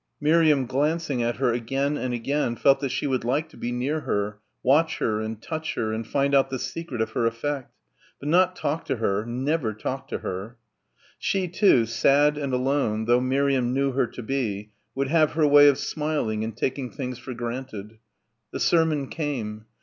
Miriam glancing at her again and again felt that she would like to be near her, watch her and touch her and find out the secret of her effect. But not talk to her, never talk to her. She, too, sad and alone though Miriam knew her to be, would have her way of smiling and taking things for granted. The sermon came.